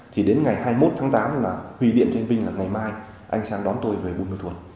thì đến ngày hai mươi một tháng tám là huy điện cho anh vinh là ngày mai anh sang đón tôi về buôn ma thuộc